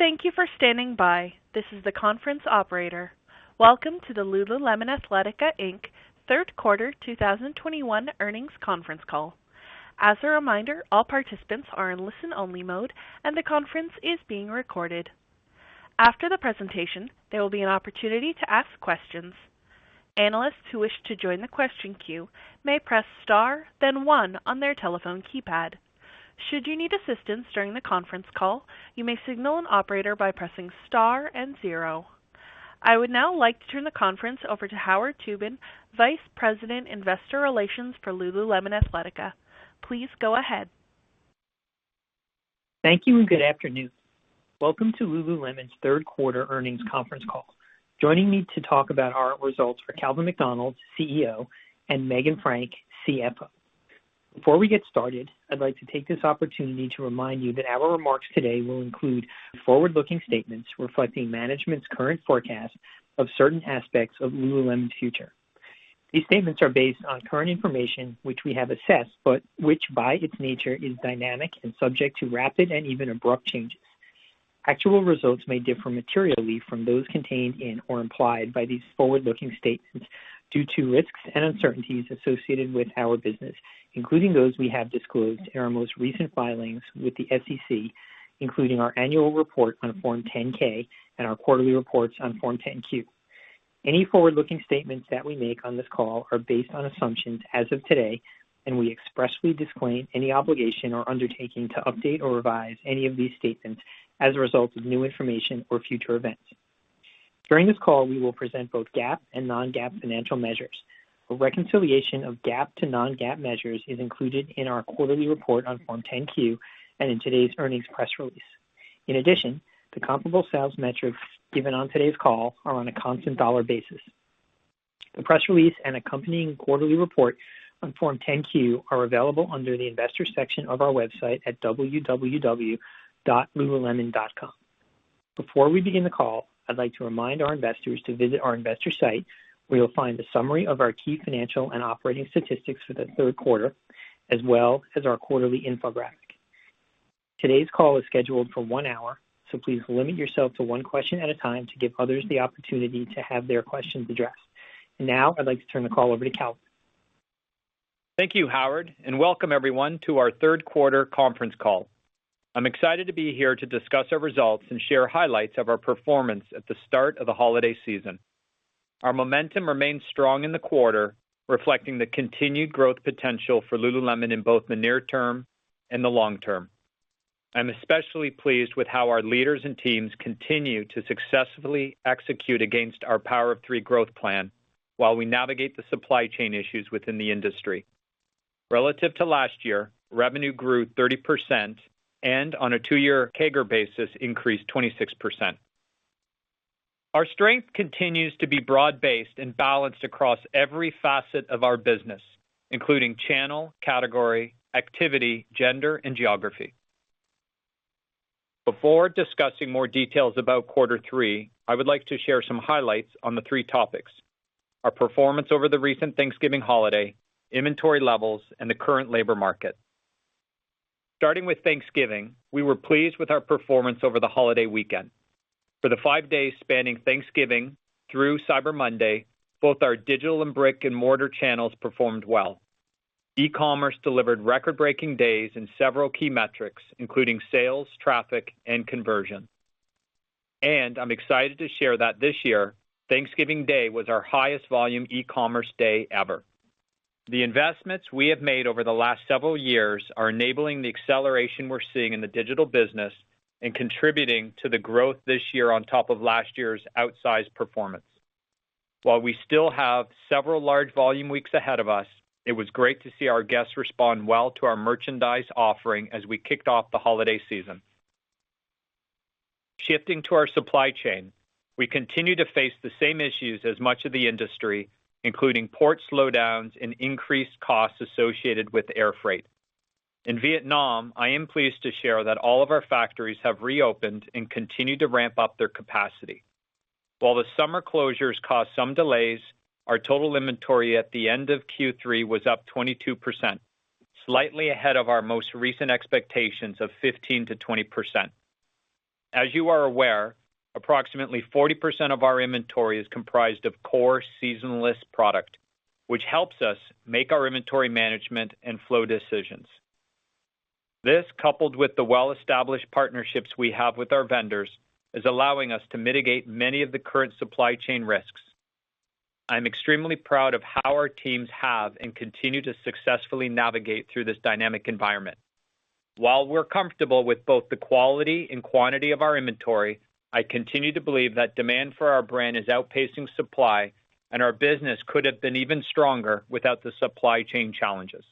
Thank you for standing by. This is the conference operator. Welcome to the lululemon athletica inc.'s Q3 2021 Earnings Conference Call. As a reminder, all participants are in listen-only mode, and the conference is being recorded. After the presentation, there will be an opportunity to ask questions. Analysts who wish to join the question queue may press star then one on their telephone keypad. Should you need assistance during the conference call, you may signal an operator by pressing star and zero. I would now like to turn the conference over to Howard Tubin, Vice President, Investor Relations for lululemon athletica. Please go ahead. Thank you and good afternoon. Welcome to lululemon's Q3 earnings conference call. Joining me to talk about our results are Calvin McDonald, CEO, and Meghan Frank, CFO. Before we get started, I'd like to take this opportunity to remind you that our remarks today will include forward-looking statements reflecting management's current forecast of certain aspects of lululemon's future. These statements are based on current information, which we have assessed, but which by its nature is dynamic and subject to rapid and even abrupt changes. Actual results may differ materially from those contained in or implied by these forward-looking statements due to risks and uncertainties associated with our business, including those we have disclosed in our most recent filings with the SEC, including our annual report on Form 10-K and our quarterly reports on Form 10-Q. Any forward-looking statements that we make on this call are based on assumptions as of today, and we expressly disclaim any obligation or undertaking to update or revise any of these statements as a result of new information or future events. During this call, we will present both GAAP and non-GAAP financial measures. A reconciliation of GAAP to non-GAAP measures is included in our quarterly report on Form 10-Q and in today's earnings press release. In addition, the comparable sales metrics given on today's call are on a constant dollar basis. The press release and accompanying quarterly report on Form 10-Q are available under the Investors section of our website at www.lululemon.com. Before we begin the call, I'd like to remind our investors to visit our investor site where you'll find the summary of our key financial and operating statistics for the Q3, as well as our quarterly infographic. Today's call is scheduled for one hour, so please limit yourself to one question at a time to give others the opportunity to have their questions addressed. Now I'd like to turn the call over to Calvin. Thank you, Howard, and welcome everyone to our Q3 conference call. I'm excited to be here to discuss our results and share highlights of our performance at the start of the holiday season. Our momentum remained strong in the quarter, reflecting the continued growth potential for lululemon in both the near term and the long term. I'm especially pleased with how our leaders and teams continue to successfully execute against our Power of Three growth plan while we navigate the supply chain issues within the industry. Relative to last year, revenue grew 30% and on a two-year CAGR basis increased 26%. Our strength continues to be broad-based and balanced across every facet of our business, including channel, category, activity, gender, and geography. Before discussing more details about Q3, I would like to share some highlights on the three topics, our performance over the recent Thanksgiving holiday, inventory levels, and the current labor market. Starting with Thanksgiving, we were pleased with our performance over the holiday weekend. For the five days spanning Thanksgiving through Cyber Monday, both our digital and brick-and-mortar channels performed well. E-commerce delivered record-breaking days in several key metrics, including sales, traffic, and conversion. I'm excited to share that this year, Thanksgiving Day was our highest volume e-commerce day ever. The investments we have made over the last several years are enabling the acceleration we're seeing in the digital business and contributing to the growth this year on top of last year's outsized performance. While we still have several large volume weeks ahead of us, it was great to see our guests respond well to our merchandise offering as we kicked off the holiday season. Shifting to our supply chain, we continue to face the same issues as much of the industry, including port slowdowns and increased costs associated with air freight. In Vietnam, I am pleased to share that all of our factories have reopened and continue to ramp up their capacity. While the summer closures caused some delays, our total inventory at the end of Q3 was up 22%, slightly ahead of our most recent expectations of 15%-20%. As you are aware, approximately 40% of our inventory is comprised of core seasonless product, which helps us make our inventory management and flow decisions. This, coupled with the well-established partnerships we have with our vendors, is allowing us to mitigate many of the current supply chain risks. I'm extremely proud of how our teams have and continue to successfully navigate through this dynamic environment. While we're comfortable with both the quality and quantity of our inventory, I continue to believe that demand for our brand is outpacing supply and our business could have been even stronger without the supply chain challenges.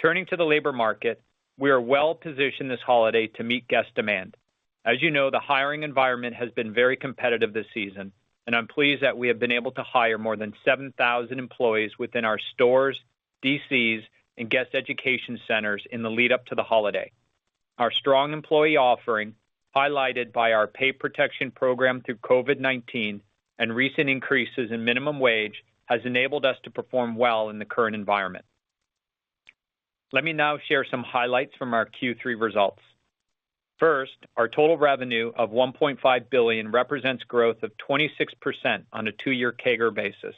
Turning to the labor market, we are well positioned this holiday to meet guest demand. As you know, the hiring environment has been very competitive this season, and I'm pleased that we have been able to hire more than 7,000 employees within our stores, DCs, and guest education centers in the lead up to the holiday. Our strong employee offering, highlighted by our pay protection program through COVID-19 and recent increases in minimum wage, has enabled us to perform well in the current environment. Let me now share some highlights from our Q3 results. First, our total revenue of $1.5 billion represents growth of 26% on a two-year CAGR basis.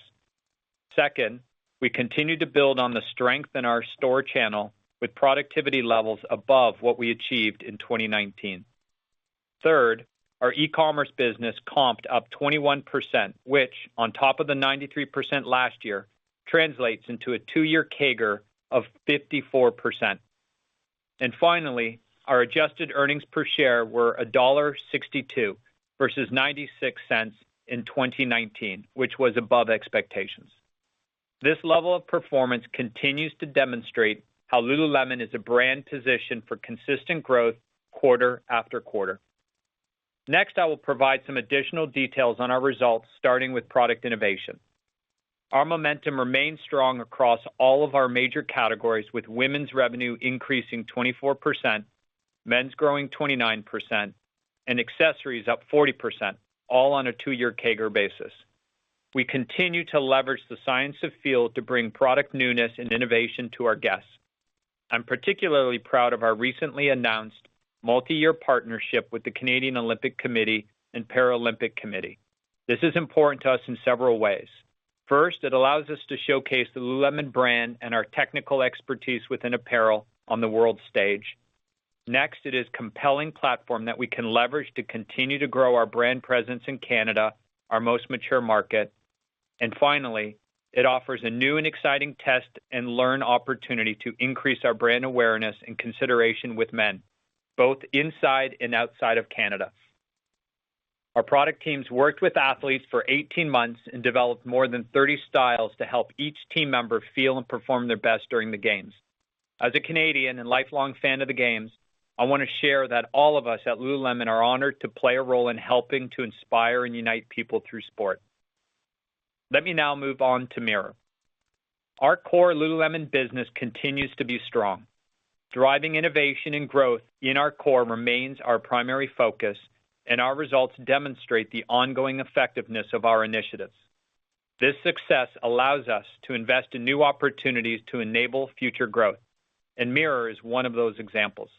Second, we continue to build on the strength in our store channel with productivity levels above what we achieved in 2019. Third, our e-commerce business comped up 21%, which on top of the 93% last year, translates into a two-year CAGR of 54%. Finally, our adjusted earnings per share were $1.62 versus $0.96 in 2019, which was above expectations. This level of performance continues to demonstrate how lululemon is a brand positioned for consistent growth quarter after quarter. Next, I will provide some additional details on our results, starting with product innovation. Our momentum remains strong across all of our major categories, with women's revenue increasing 24%, men's growing 29%, and accessories up 40%, all on a two-year CAGR basis. We continue to leverage the science of feel to bring product newness and innovation to our guests. I'm particularly proud of our recently announced multi-year partnership with the Canadian Olympic Committee and Canadian Paralympic Committee. This is important to us in several ways. First, it allows us to showcase the lululemon brand and our technical expertise within apparel on the world stage. Next, it is a compelling platform that we can leverage to continue to grow our brand presence in Canada, our most mature market. Finally, it offers a new and exciting test and learn opportunity to increase our brand awareness and consideration with men, both inside and outside of Canada. Our product teams worked with athletes for 18 months and developed more than 30 styles to help each team member feel and perform their best during the games. As a Canadian and lifelong fan of the games, I wanna share that all of us at lululemon are honored to play a role in helping to inspire and unite people through sport. Let me now move on to Mirror. Our core lululemon business continues to be strong. Driving innovation and growth in our core remains our primary focus, and our results demonstrate the ongoing effectiveness of our initiatives. This success allows us to invest in new opportunities to enable future growth, and Mirror is one of those examples.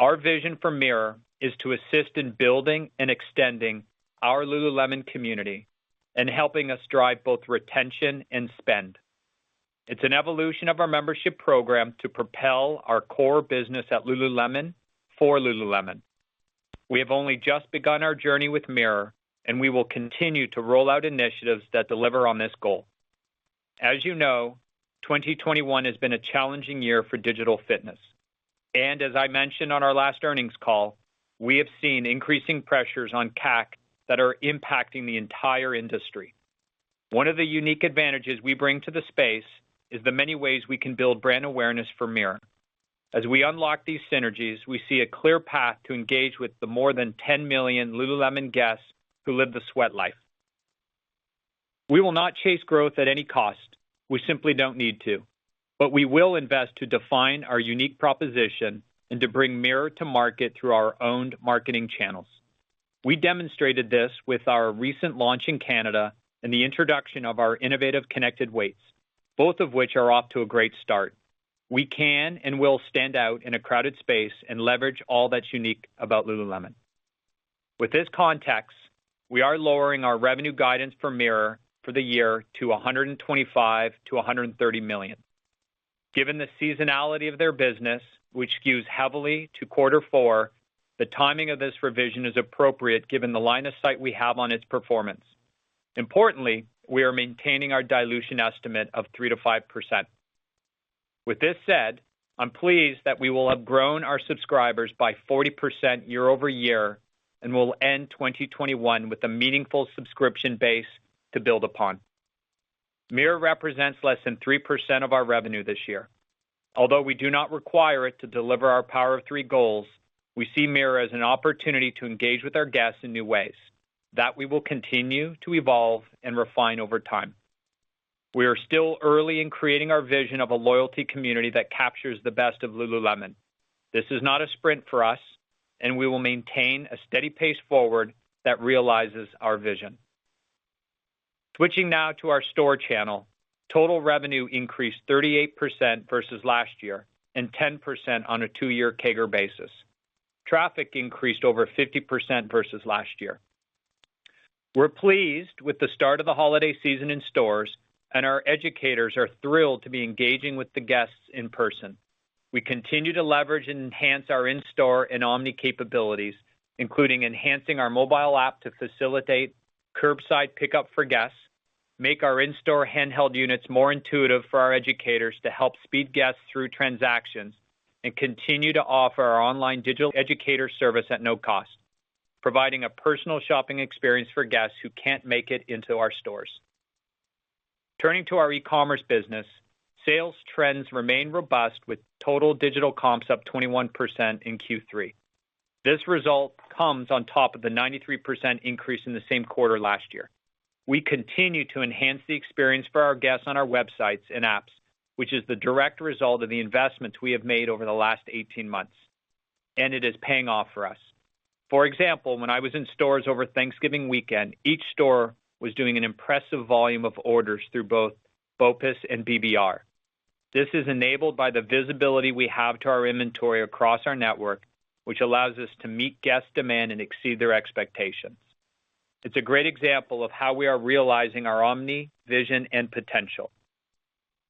Our vision for Mirror is to assist in building and extending our lululemon community and helping us drive both retention and spend. It's an evolution of our membership program to propel our core business at lululemon for lululemon. We have only just begun our journey with Mirror, and we will continue to roll out initiatives that deliver on this goal. As you know, 2021 has been a challenging year for digital fitness. As I mentioned on our last earnings call, we have seen increasing pressures on CAC that are impacting the entire industry. One of the unique advantages we bring to the space is the many ways we can build brand awareness for Mirror. As we unlock these synergies, we see a clear path to engage with the more than 10 million lululemon guests who live the sweat life. We will not chase growth at any cost. We simply don't need to. We will invest to define our unique proposition and to bring Mirror to market through our own marketing channels. We demonstrated this with our recent launch in Canada and the introduction of our innovative connected weights, both of which are off to a great start. We can and will stand out in a crowded space and leverage all that's unique about lululemon. With this context, we are lowering our revenue guidance for Mirror for the year to $125 million-$130 million. Given the seasonality of their business, which skews heavily to Q4, the timing of this revision is appropriate given the line of sight we have on its performance. Importantly, we are maintaining our dilution estimate of 3%-5%. With this said, I'm pleased that we will have grown our subscribers by 40% year-over-year and will end 2021 with a meaningful subscription base to build upon. Mirror represents less than 3% of our revenue this year. Although we do not require it to deliver our Power of Three goals, we see Mirror as an opportunity to engage with our guests in new ways that we will continue to evolve and refine over time. We are still early in creating our vision of a loyalty community that captures the best of lululemon. This is not a sprint for us, and we will maintain a steady pace forward that realizes our vision. Switching now to our store channel. Total revenue increased 38% versus last year and 10% on a two-year CAGR basis. Traffic increased over 50% versus last year. We're pleased with the start of the holiday season in stores, and our educators are thrilled to be engaging with the guests in person. We continue to leverage and enhance our in-store and omni capabilities, including enhancing our mobile app to facilitate curbside pickup for guests, make our in-store handheld units more intuitive for our educators to help speed guests through transactions, and continue to offer our online digital educator service at no cost, providing a personal shopping experience for guests who can't make it into our stores. Turning to our e-commerce business, sales trends remain robust with total digital comps up 21% in Q3. This result comes on top of the 93% increase in the same quarter last year. We continue to enhance the experience for our guests on our websites and apps, which is the direct result of the investments we have made over the last 18 months. It is paying off for us. For example, when I was in stores over Thanksgiving weekend, each store was doing an impressive volume of orders through both BOPUS and BBR. This is enabled by the visibility we have to our inventory across our network, which allows us to meet guest demand and exceed their expectations. It's a great example of how we are realizing our omni vision and potential.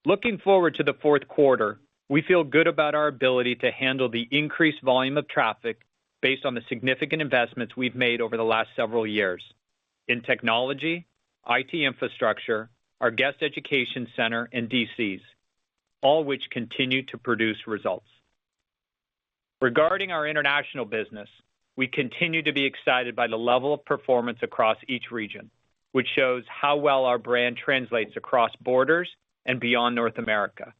Looking forward to the Q4, we feel good about our ability to handle the increased volume of traffic based on the significant investments we've made over the last several years in technology, IT infrastructure, our guest education center, and DCs, all which continue to produce results. Regarding our international business, we continue to be excited by the level of performance across each region, which shows how well our brand translates across borders and beyond North America.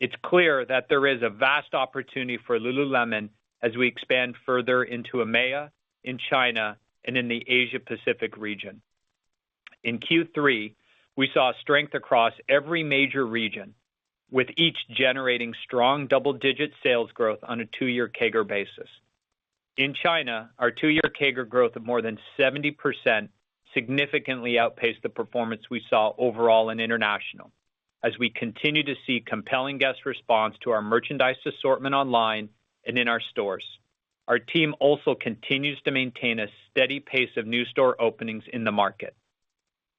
It's clear that there is a vast opportunity for lululemon as we expand further into EMEA, in China, and in the Asia Pacific region. In Q3, we saw strength across every major region, with each generating strong double-digit sales growth on a two-year CAGR basis. In China, our two-year CAGR growth of more than 70% significantly outpaced the performance we saw overall in international as we continue to see compelling guest response to our merchandise assortment online and in our stores. Our team also continues to maintain a steady pace of new store openings in the market.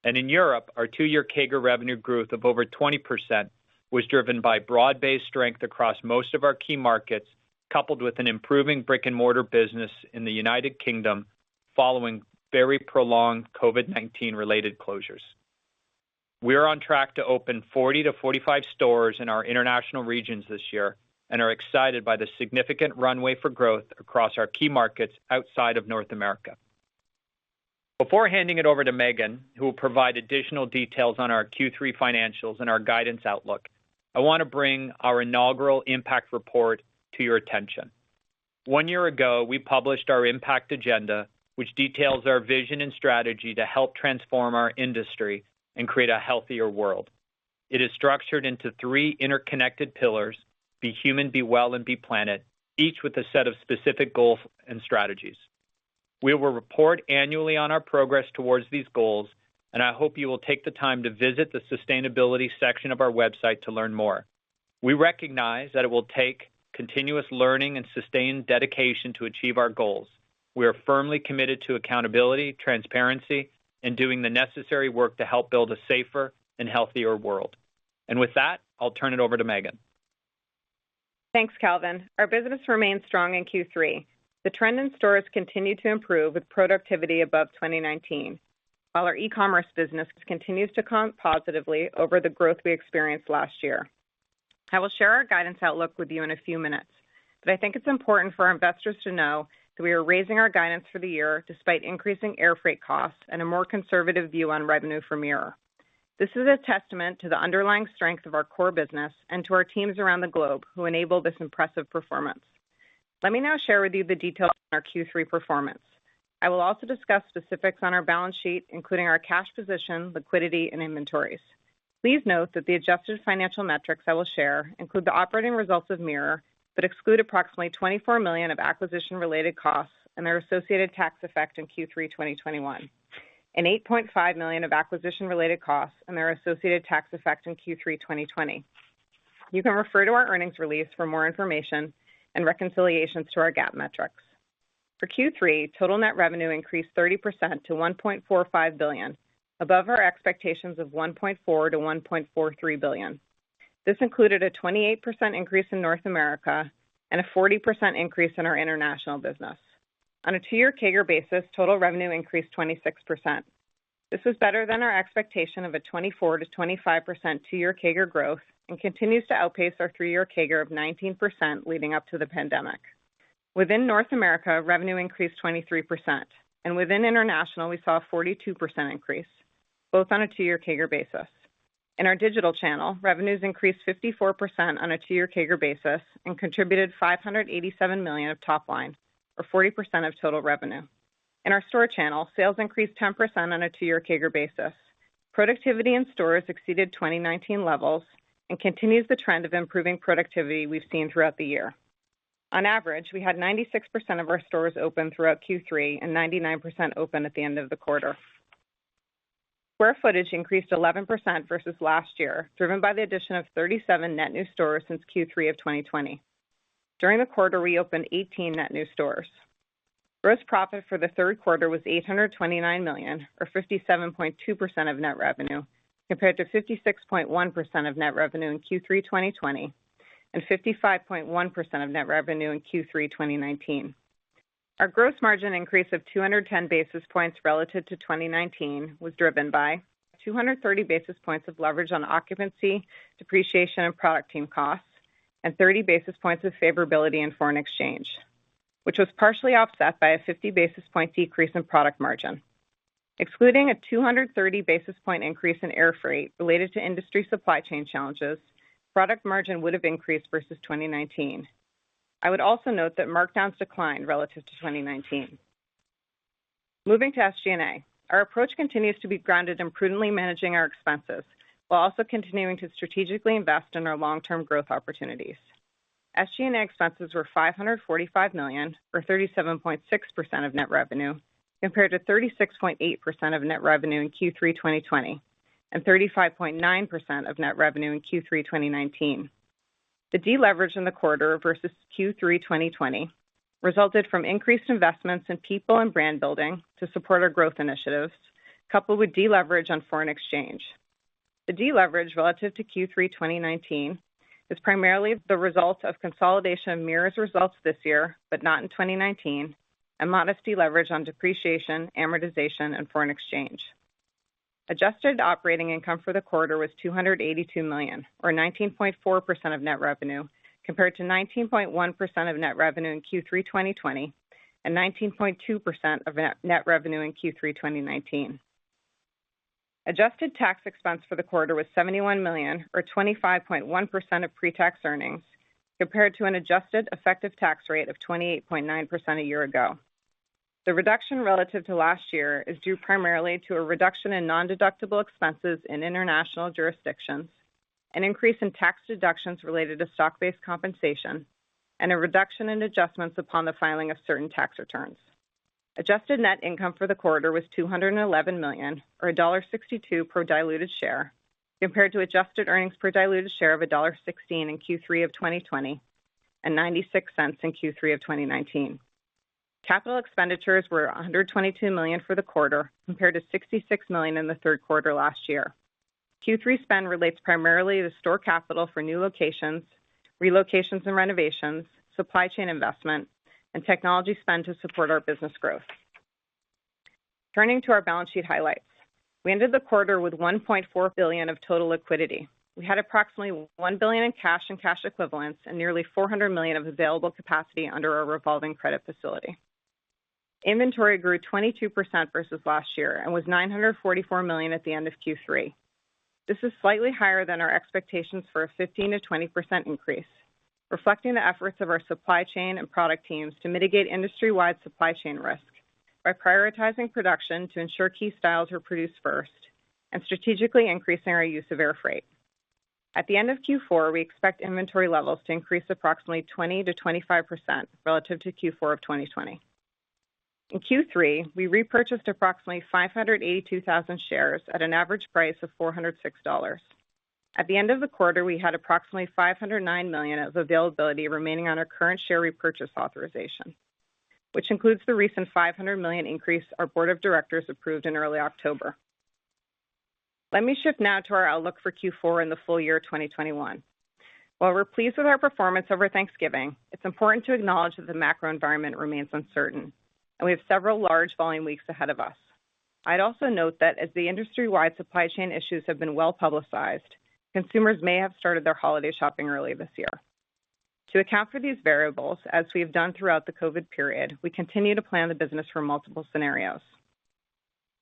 In Europe, our two-year CAGR revenue growth of over 20% was driven by broad-based strength across most of our key markets, coupled with an improving brick-and-mortar business in the United Kingdom following very prolonged COVID-19 related closures. We are on track to open 40-45 stores in our international regions this year and are excited by the significant runway for growth across our key markets outside of North America. Before handing it over to Meghan, who will provide additional details on our Q3 financials and our guidance outlook, I wanna bring our inaugural impact report to your attention. One year ago, we published our impact agenda, which details our vision and strategy to help transform our industry and create a healthier world. It is structured into three interconnected pillars, be human, be well, and be planet, each with a set of specific goals and strategies. We will report annually on our progress towards these goals, and I hope you will take the time to visit the sustainability section of our website to learn more. We recognize that it will take continuous learning and sustained dedication to achieve our goals. We are firmly committed to accountability, transparency, and doing the necessary work to help build a safer and healthier world. With that, I'll turn it over to Meghan. Thanks, Calvin. Our business remained strong in Q3. The trend in stores continued to improve with productivity above 2019, while our e-commerce business continues to comp positively over the growth we experienced last year. I will share our guidance outlook with you in a few minutes, but I think it's important for our investors to know that we are raising our guidance for the year despite increasing air freight costs and a more conservative view on revenue for Mirror. This is a testament to the underlying strength of our core business and to our teams around the globe who enable this impressive performance. Let me now share with you the details on our Q3 performance. I will also discuss specifics on our balance sheet, including our cash position, liquidity, and inventories. Please note that the adjusted financial metrics I will share include the operating results of Mirror, but exclude approximately $24 million of acquisition-related costs and their associated tax effect in Q3 2021, and $8.5 million of acquisition-related costs and their associated tax effect in Q3 2020. You can refer to our earnings release for more information and reconciliations to our GAAP metrics. For Q3, total net revenue increased 30% to $1.45 billion, above our expectations of $1.4-$1.43 billion. This included a 28% increase in North America and a 40% increase in our international business. On a two-year CAGR basis, total revenue increased 26%. This was better than our expectation of a 24%-25% two-year CAGR growth and continues to outpace our three-year CAGR of 19% leading up to the pandemic. Within North America, revenue increased 23%, and within international, we saw a 42% increase, both on a two-year CAGR basis. In our digital channel, revenues increased 54% on a two-year CAGR basis and contributed $587 million of top line, or 40% of total revenue. In our store channel, sales increased 10% on a two-year CAGR basis. Productivity in stores exceeded 2019 levels and continues the trend of improving productivity we've seen throughout the year. On average, we had 96% of our stores open throughout Q3 and 99% open at the end of the quarter. Square footage increased 11% versus last year, driven by the addition of 37 net new stores since Q3 of 2020. During the quarter, we opened 18 net new stores. Gross profit for the Q3 was $829 million or 57.2% of net revenue, compared to 56.1% of net revenue in Q3 2020 and 55.1% of net revenue in Q3 2019. Our gross margin increase of 210 basis points relative to 2019 was driven by 230 basis points of leverage on occupancy, depreciation, and product team costs, and 30 basis points of favorability in foreign exchange, which was partially offset by a 50 basis points decrease in product margin. Excluding a 230 basis point increase in air freight related to industry supply chain challenges, product margin would have increased versus 2019. I would also note that markdowns declined relative to 2019. Moving to SG&A. Our approach continues to be grounded in prudently managing our expenses while also continuing to strategically invest in our long-term growth opportunities. SG&A expenses were $545 million or 37.6% of net revenue, compared to 36.8% of net revenue in Q3 2020 and 35.9% of net revenue in Q3 2019. The deleverage in the quarter versus Q3 2020 resulted from increased investments in people and brand building to support our growth initiatives, coupled with deleverage on foreign exchange. The deleverage relative to Q3 2019 is primarily the result of consolidation of Mirror's results this year, but not in 2019, and modest deleverage on depreciation, amortization, and foreign exchange. Adjusted operating income for the quarter was $282 million, or 19.4% of net revenue, compared to 19.1% of net revenue in Q3 2020 and 19.2% of net revenue in Q3 2019. Adjusted tax expense for the quarter was $71 million or 25.1% of pre-tax earnings, compared to an adjusted effective tax rate of 28.9% a year ago. The reduction relative to last year is due primarily to a reduction in nondeductible expenses in international jurisdictions, an increase in tax deductions related to stock-based compensation, and a reduction in adjustments upon the filing of certain tax returns. Adjusted net income for the quarter was $211 million, or $1.62 per diluted share, compared to adjusted earnings per diluted share of $1.16 in Q3 of 2020 and $0.96 in Q3 of 2019. Capital expenditures were $122 million for the quarter, compared to $66 million in the Q3 last year. Q3 spend relates primarily to store capital for new locations, relocations and renovations, supply chain investment, and technology spend to support our business growth. Turning to our balance sheet highlights. We ended the quarter with $1.4 billion of total liquidity. We had approximately $1 billion in cash and cash equivalents and nearly $400 million of available capacity under our revolving credit facility. Inventory grew 22% versus last year and was $944 million at the end of Q3. This is slightly higher than our expectations for a 15%-20% increase, reflecting the efforts of our supply chain and product teams to mitigate industry-wide supply chain risk by prioritizing production to ensure key styles were produced first and strategically increasing our use of air freight. At the end of Q4, we expect inventory levels to increase approximately 20%-25% relative to Q4 of 2020. In Q3, we repurchased approximately 582,000 shares at an average price of $406. At the end of the quarter, we had approximately $509 million of availability remaining on our current share repurchase authorization, which includes the recent $500 million increase our board of directors approved in early October. Let me shift now to our outlook for Q4 in the full year of 2021. While we're pleased with our performance over Thanksgiving, it's important to acknowledge that the macro environment remains uncertain, and we have several large volume weeks ahead of us. I'd also note that as the industry-wide supply chain issues have been well-publicized, consumers may have started their holiday shopping early this year. To account for these variables, as we have done throughout the COVID-19 period, we continue to plan the business for multiple scenarios.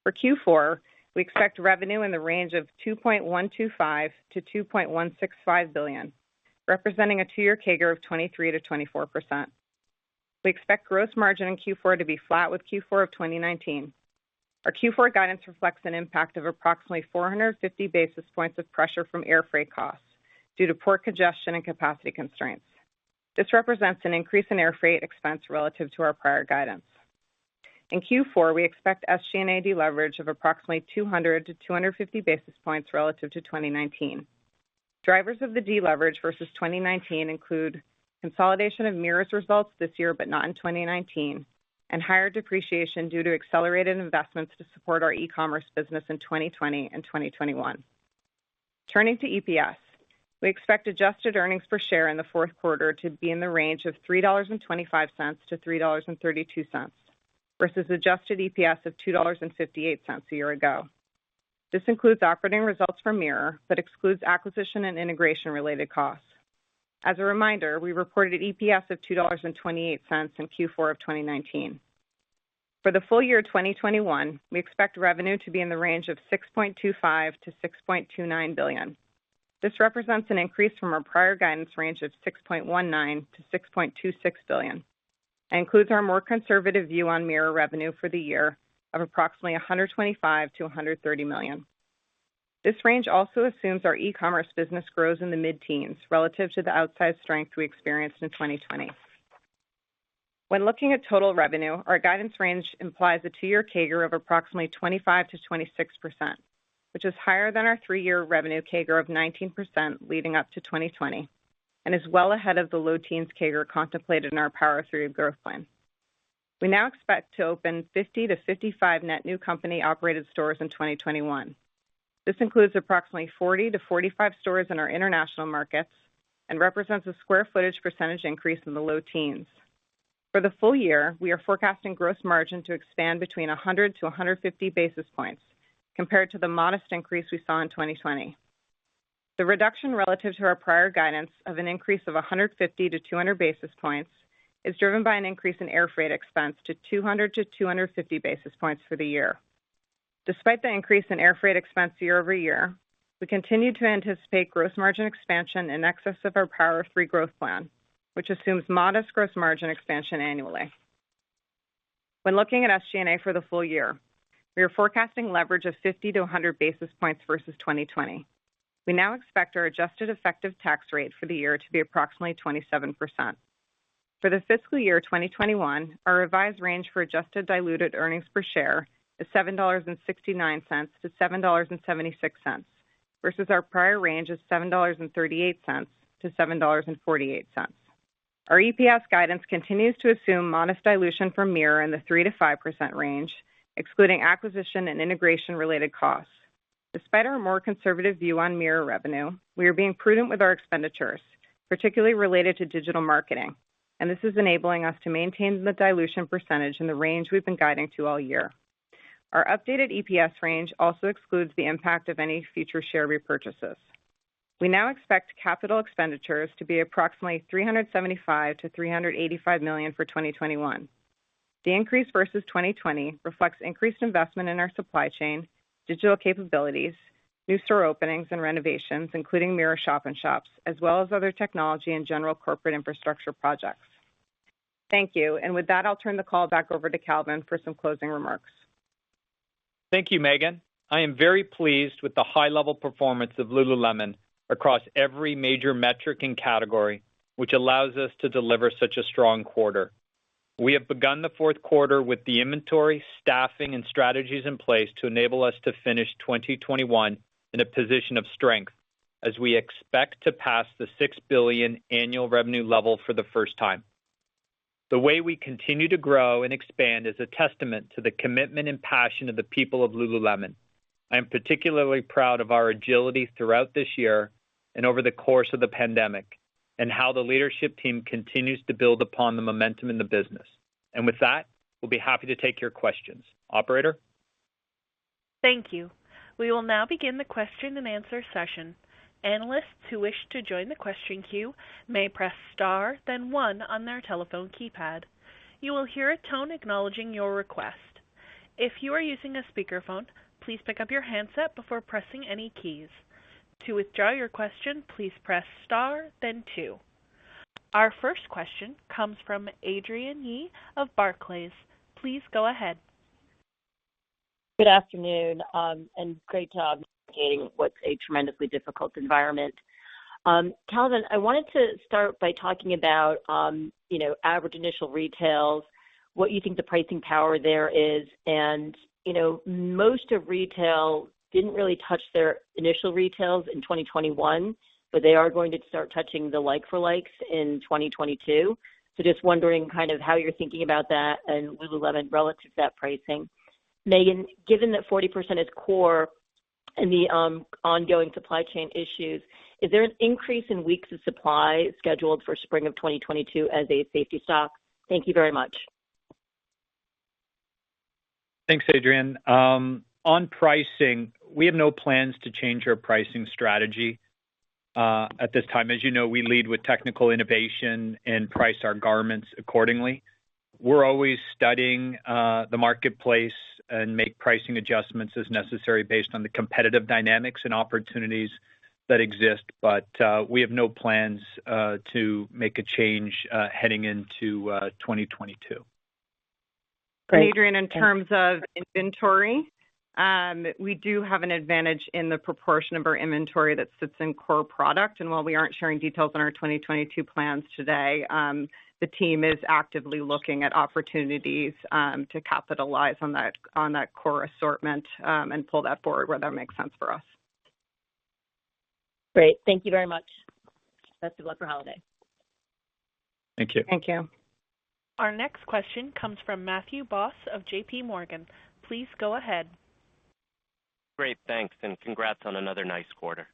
For Q4, we expect revenue in the range of $2.125 billion-$2.165 billion, representing a two-year CAGR of 23%-24%. We expect gross margin in Q4 to be flat with Q4 of 2019. Our Q4 guidance reflects an impact of approximately 450 basis points of pressure from air freight costs due to port congestion and capacity constraints. This represents an increase in air freight expense relative to our prior guidance. In Q4, we expect SG&A deleverage of approximately 200-250 basis points relative to 2019. Drivers of the deleverage versus 2019 include consolidation of Mirror's results this year, but not in 2019, and higher depreciation due to accelerated investments to support our e-commerce business in 2020 and 2021. Turning to EPS, we expect adjusted earnings per share in the Q4 to be in the range of $3.25-$3.32 versus adjusted EPS of $2.58 a year ago. This includes operating results from Mirror, but excludes acquisition and integration related costs. As a reminder, we reported an EPS of $2.28 in Q4 of 2019. For the full year 2021, we expect revenue to be in the range of $6.25 billion-$6.29 billion. This represents an increase from our prior guidance range of $6.19 billion-$6.26 billion, and includes our more conservative view on Mirror revenue for the year of approximately $125 million-$130 million. This range also assumes our e-commerce business grows in the mid-teens relative to the outsized strength we experienced in 2020. When looking at total revenue, our guidance range implies a two-year CAGR of approximately 25%-26%, which is higher than our three-year revenue CAGR of 19% leading up to 2020 and is well ahead of the low-teens CAGR contemplated in our Power of Three growth plan. We now expect to open 50-55 net new company-operated stores in 2021. This includes approximately 40-45 stores in our international markets and represents a square footage percentage increase in the low teens%. For the full year, we are forecasting gross margin to expand between 100-150 basis points compared to the modest increase we saw in 2020. The reduction relative to our prior guidance of an increase of 150-200 basis points is driven by an increase in air freight expense to 200-250 basis points for the year. Despite the increase in air freight expense year-over-year, we continue to anticipate gross margin expansion in excess of our Power of Three growth plan, which assumes modest gross margin expansion annually. When looking at SG&A for the full year, we are forecasting leverage of 50-100 basis points versus 2020. We now expect our adjusted effective tax rate for the year to be approximately 27%. For the fiscal year 2021, our revised range for adjusted diluted earnings per share is $7.69-$7.76 versus our prior range of $7.38-$7.48. Our EPS guidance continues to assume modest dilution from Mirror in the 3%-5% range, excluding acquisition and integration related costs. Despite our more conservative view on Mirror revenue, we are being prudent with our expenditures, particularly related to digital marketing, and this is enabling us to maintain the dilution percentage in the range we've been guiding to all year. Our updated EPS range also excludes the impact of any future share repurchases. We now expect capital expenditures to be approximately $375 million-$385 million for 2021. The increase versus 2020 reflects increased investment in our supply chain, digital capabilities, new store openings and renovations, including Mirror shop in shops, as well as other technology and general corporate infrastructure projects. Thank you. With that, I'll turn the call back over to Calvin for some closing remarks. Thank you, Meghan. I am very pleased with the high level performance of lululemon across every major metric and category, which allows us to deliver such a strong quarter. We have begun the Q4 with the inventory, staffing, and strategies in place to enable us to finish 2021 in a position of strength as we expect to pass the $6 billion annual revenue level for the first time. The way we continue to grow and expand is a testament to the commitment and passion of the people of lululemon. I am particularly proud of our agility throughout this year and over the course of the pandemic, and how the leadership team continues to build upon the momentum in the business. With that, we'll be happy to take your questions. Operator? Thank you. We will now begin the question and answer session. Analysts who wish to join the question queue may press star, then one on their telephone keypad. You will hear a tone acknowledging your request. If you are using a speakerphone, please pick up your handset before pressing any keys. To withdraw your question, please press star then two. Our first question comes from Adrienne Yih of Barclays. Please go ahead. Good afternoon, and great job navigating what's a tremendously difficult environment. Calvin, I wanted to start by talking about, you know, average initial retails, what you think the pricing power there is, and, you know, most of retail didn't really touch their initial retails in 2021, but they are going to start touching the like for likes in 2022. Just wondering kind of how you're thinking about that and lululemon relative to that pricing. Meghan, given that 40% is core and the ongoing supply chain issues, is there an increase in weeks of supply scheduled for spring of 2022 as a safety stock? Thank you very much. Thanks, Adrienne. On pricing, we have no plans to change our pricing strategy at this time. As you know, we lead with technical innovation and price our garments accordingly. We're always studying the marketplace and make pricing adjustments as necessary based on the competitive dynamics and opportunities that exist. We have no plans to make a change heading into 2022. Adrienne, in terms of inventory, we do have an advantage in the proportion of our inventory that sits in core product. While we aren't sharing details on our 2022 plans today, the team is actively looking at opportunities to capitalize on that core assortment and pull that forward where that makes sense for us. Great. Thank you very much. Best of luck for holiday. Thank you. Thank you. Our next question comes from Matthew Boss of JPMorgan. Please go ahead. Great. Thanks, and congrats on another nice quarter.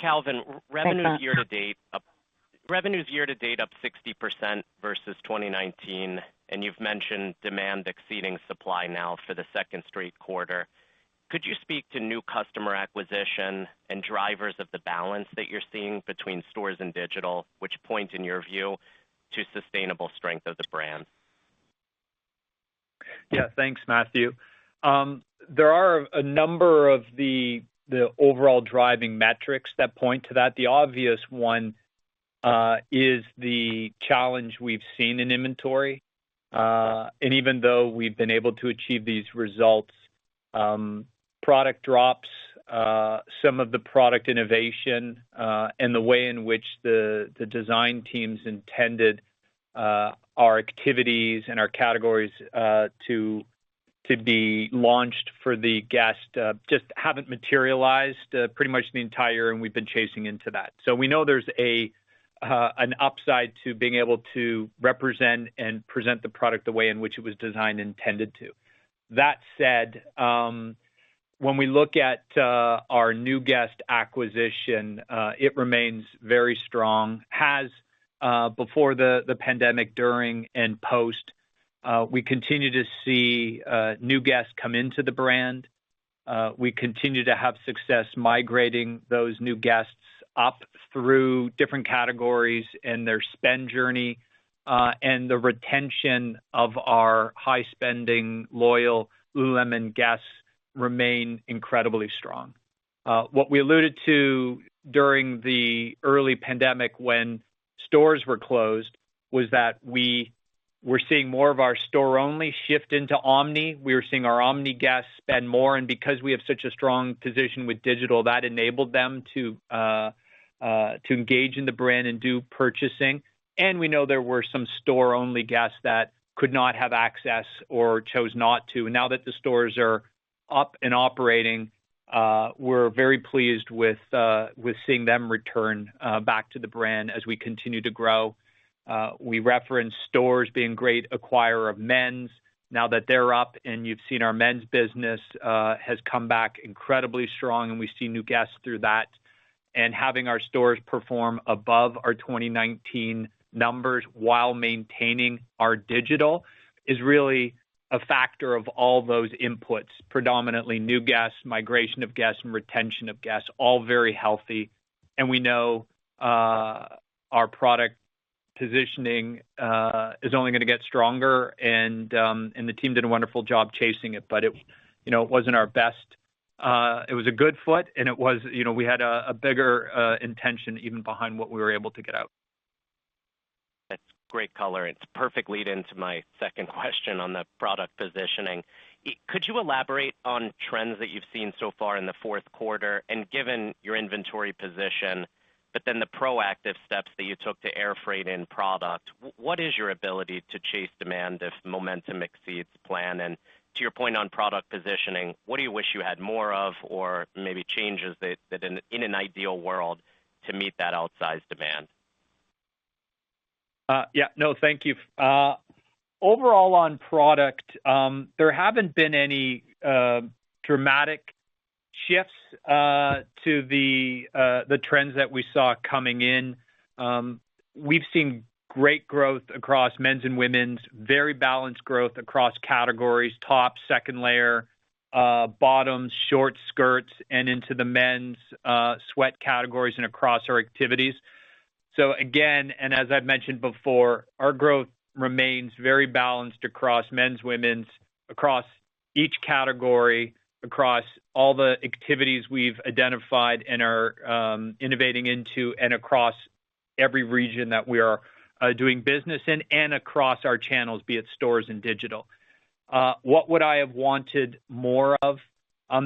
Calvin, revenue is year to date up 60% versus 2019, and you've mentioned demand exceeding supply now for the second straight quarter. Could you speak to new customer acquisition and drivers of the balance that you're seeing between stores and digital, which point, in your view, to sustainable strength of the brand? Yeah. Thanks, Matthew. There are a number of the overall driving metrics that point to that. The obvious one is the challenge we've seen in inventory. Even though we've been able to achieve these results, product drops, some of the product innovation, and the way in which the design teams intended our activities and our categories to be launched for the guest just haven't materialized pretty much the entire, and we've been chasing into that. We know there's an upside to being able to represent and present the product the way in which it was designed and intended to. That said, when we look at our new guest acquisition, it remains very strong before the pandemic, during and post. We continue to see new guests come into the brand. We continue to have success migrating those new guests up through different categories and their spend journey, and the retention of our high-spending loyal lululemon guests remain incredibly strong. What we alluded to during the early pandemic when stores were closed was that we were seeing more of our store-only shift into omni. We were seeing our omni guests spend more, and because we have such a strong position with digital, that enabled them to engage in the brand and do purchasing. We know there were some store-only guests that could not have access or chose not to. Now that the stores are up and operating, we're very pleased with seeing them return back to the brand as we continue to grow. We referenced stores being great acquirer of men's. Now that they're up and you've seen our men's business has come back incredibly strong, and we see new guests through that. Having our stores perform above our 2019 numbers while maintaining our digital is really a factor of all those inputs, predominantly new guests, migration of guests, and retention of guests, all very healthy. We know our product positioning is only gonna get stronger and the team did a wonderful job chasing it, but you know, it wasn't our best. It was a good foot, and it was, you know, we had a bigger intention even behind what we were able to get out. That's great color, and it's perfect lead into my second question on the product positioning. Could you elaborate on trends that you've seen so far in the Q4, and given your inventory position, but then the proactive steps that you took to air freight in product, what is your ability to chase demand if momentum exceeds plan? To your point on product positioning, what do you wish you had more of or maybe changes that in an ideal world to meet that outsized demand? Yeah, no, thank you. Overall on product, there haven't been any dramatic shifts to the trends that we saw coming in. We've seen great growth across men's and women's, very balanced growth across categories, tops, second layer, bottoms, shorts, skirts, and into the men's sweat categories and across our activities. Again, and as I've mentioned before, our growth remains very balanced across men's, women's, across each category, across all the activities we've identified and are innovating into, and across every region that we are doing business in, and across our channels, be it stores and digital. What would I have wanted more of?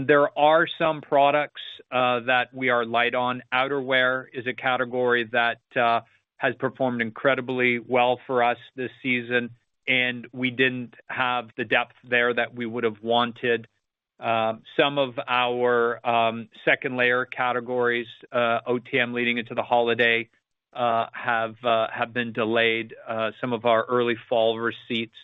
There are some products that we are light on. Outerwear is a category that has performed incredibly well for us this season, and we didn't have the depth there that we would have wanted. Some of our second layer categories, OTM leading into the holiday, have been delayed, some of our early fall receipts.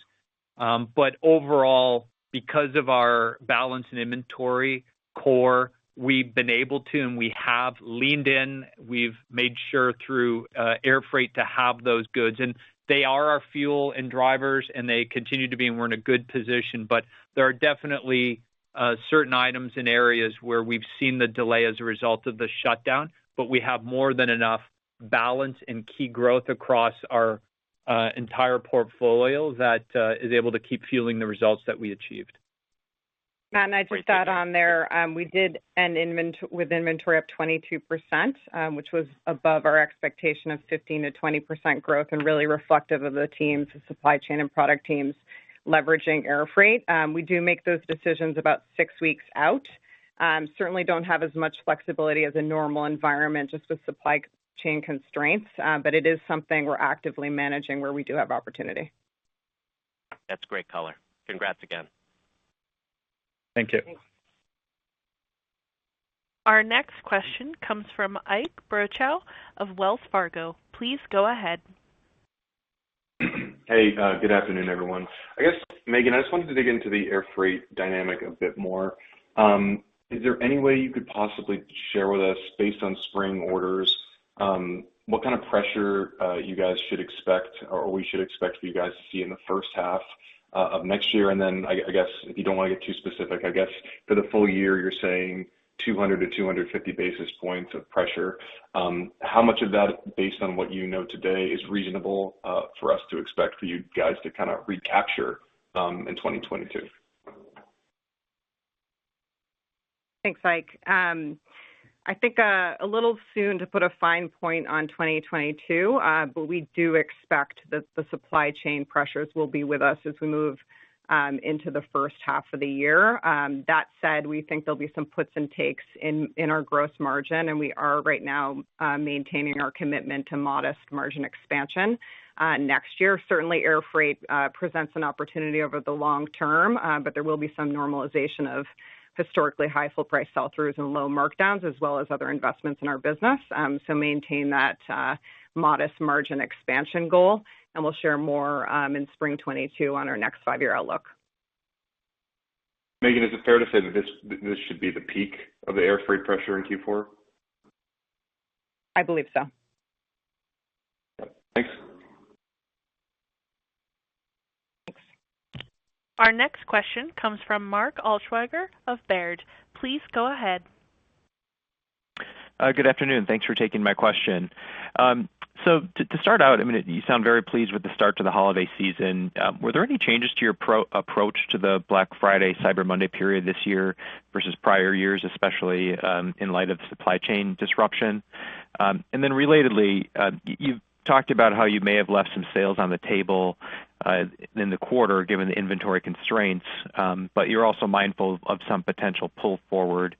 Overall, because of our balance and inventory core, we've been able to, and we have leaned in. We've made sure through air freight to have those goods. They are our fuel and drivers, and they continue to be, and we're in a good position. There are definitely certain items and areas where we've seen the delay as a result of the shutdown, but we have more than enough balance and key growth across our entire portfolio that is able to keep fueling the results that we achieved. Matthew, I just add on there, we ended with inventory up 22%, which was above our expectation of 15%-20% growth and really reflective of the teams, the supply chain and product teams leveraging air freight. We do make those decisions about six weeks out. Certainly don't have as much flexibility as a normal environment just with supply chain constraints, but it is something we're actively managing where we do have opportunity. That's great color. Congrats again. Thank you. Our next question comes from Ike Boruchow of Wells Fargo. Please go ahead. Hey, good afternoon, everyone. I guess, Meghan, I just wanted to dig into the air freight dynamic a bit more. Is there any way you could possibly share with us, based on spring orders, what kind of pressure you guys should expect or we should expect for you guys to see in the first half of next year? I guess if you don't wanna get too specific, I guess for the full year, you're saying 200-250 basis points of pressure. How much of that, based on what you know today, is reasonable for us to expect for you guys to kinda recapture in 2022? Thanks, Ike. I think a little soon to put a fine point on 2022, but we do expect that the supply chain pressures will be with us as we move into the first half of the year. That said, we think there'll be some puts and takes in our gross margin, and we are right now maintaining our commitment to modest margin expansion next year. Certainly, air freight presents an opportunity over the long term, but there will be some normalization of historically high full price sell-throughs and low markdowns, as well as other investments in our business. Maintain that modest margin expansion goal, and we'll share more in spring 2022 on our next five-year outlook. Meghan, is it fair to say that this should be the peak of the air freight pressure in Q4? I believe so. Our next question comes from Mark Altschwager of Baird. Please go ahead. Good afternoon. Thanks for taking my question. To start out, I mean, you sound very pleased with the start to the holiday season. Were there any changes to your promotional approach to the Black Friday/Cyber Monday period this year versus prior years, especially, in light of supply chain disruption? Then relatedly, you've talked about how you may have left some sales on the table, in the quarter, given the inventory constraints, but you're also mindful of some potential pull forward,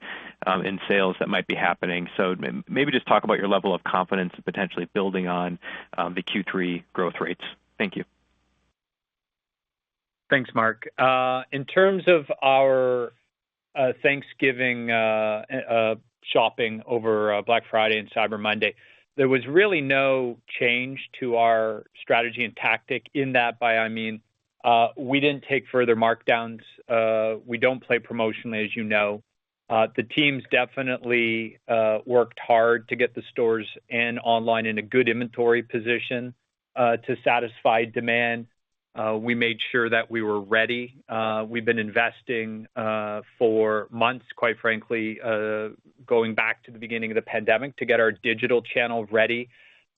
in sales that might be happening. Maybe just talk about your level of confidence potentially building on, the Q3 growth rates. Thank you. Thanks, Mark. In terms of our Thanksgiving shopping over Black Friday and Cyber Monday, there was really no change to our strategy and tactics. In that, I mean, we didn't take further markdowns. We don't play promotionally, as you know. The teams definitely worked hard to get the stores and online in a good inventory position to satisfy demand. We made sure that we were ready. We've been investing for months, quite frankly, going back to the beginning of the pandemic, to get our digital channel ready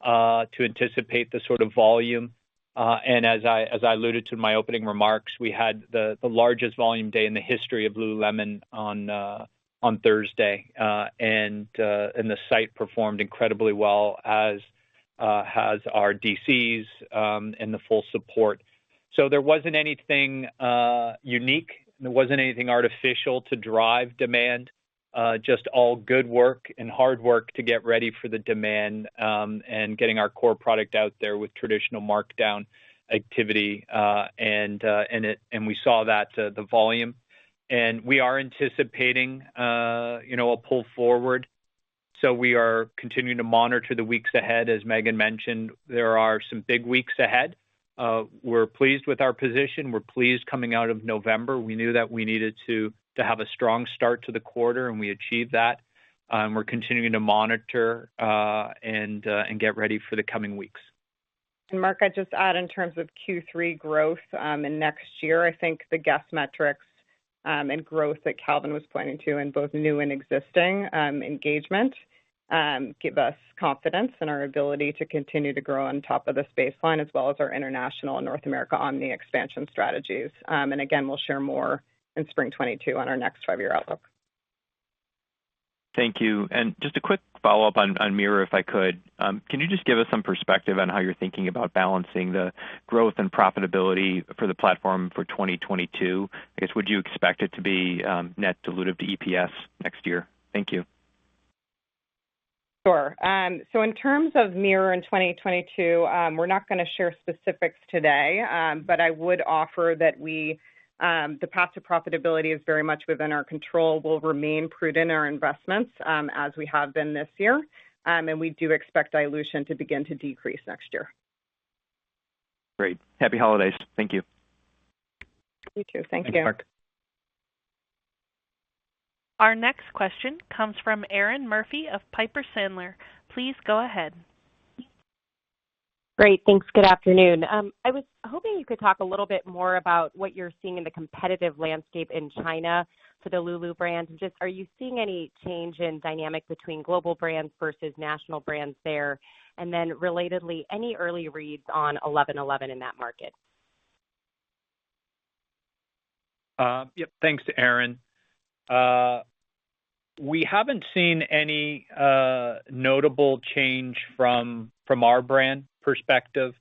to anticipate the sort of volume. As I alluded to in my opening remarks, we had the largest volume day in the history of lululemon on Thursday. The site performed incredibly well, as has our DCs and the full support. There wasn't anything unique, there wasn't anything artificial to drive demand, just all good work and hard work to get ready for the demand and getting our core product out there with traditional markdown activity. We saw that, the volume. We are anticipating, you know, a pull forward. We are continuing to monitor the weeks ahead. As Meghan mentioned, there are some big weeks ahead. We're pleased with our position. We're pleased coming out of November. We knew that we needed to have a strong start to the quarter, and we achieved that. We're continuing to monitor and get ready for the coming weeks. Mark, I'd just add in terms of Q3 growth, and next year, I think the guest metrics, and growth that Calvin was pointing to in both new and existing, engagement, give us confidence in our ability to continue to grow on top of the baseline, as well as our international and North America omni-expansion strategies. We'll share more in spring 2022 on our next five-year outlook. Thank you. Just a quick follow-up on Mirror, if I could. Can you just give us some perspective on how you're thinking about balancing the growth and profitability for the platform for 2022? I guess, would you expect it to be net dilutive to EPS next year? Thank you. Sure. In terms of Mirror in 2022, we're not gonna share specifics today. I would offer that the path to profitability is very much within our control. We'll remain prudent in our investments, as we have been this year. We do expect dilution to begin to decrease next year. Great. Happy holidays. Thank you. You too. Thank you. Our next question comes from Erinn Murphy of Piper Sandler. Please go ahead. Great. Thanks. Good afternoon. I was hoping you could talk a little bit more about what you're seeing in the competitive landscape in China for the Lulu brand. Just, are you seeing any change in dynamics between global brands versus national brands there? Relatedly, any early reads on 11.11 in that market? Yep. Thanks, Erinn. We haven't seen any notable change from our brand perspective